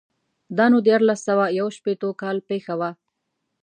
دا نو دیارلس سوه یو شپېتو کال پېښه وه.